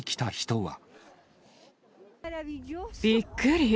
びっくり！